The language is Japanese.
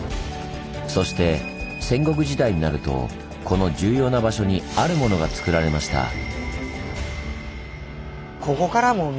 そして戦国時代になるとこの重要な場所にあるものがつくられました。